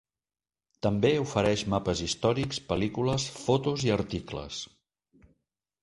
També ofereix mapes històrics, pel·lícules, fotos i articles.